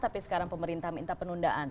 tapi sekarang pemerintah minta penundaan